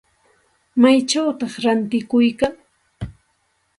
¿Maychawta ratikuykan?